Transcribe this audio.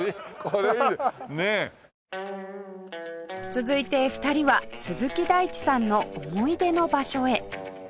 続いて２人は鈴木大地さんの思い出の場所へ